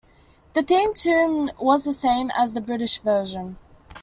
The theme tune was the same as the British version.